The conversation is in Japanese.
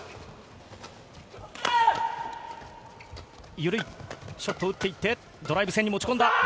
ゆるいショットを打っていて、ドライブ戦に持ち込んだ。